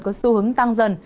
có xu hướng tăng dần